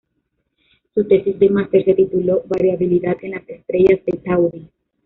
Su tesis de máster se tituló "Variabilidad en las estrellas T Tauri".